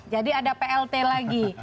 jadi ada plt lagi